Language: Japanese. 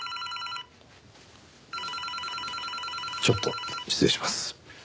ちょっと失礼します。